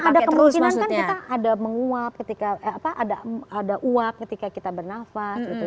karena ada kemungkinan kan kita ada menguap ketika ada uap ketika kita bernafas gitu